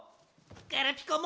ガラピコも！